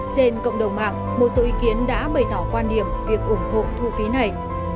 trên cộng đồng mạng một số ý kiến đã bày tỏ quan điểm việc ủng hộ thu phí này